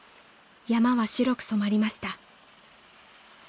山は白く染まりました］